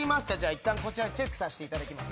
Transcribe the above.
いったんこちらでチェックさせていただきます。